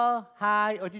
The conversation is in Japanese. はい。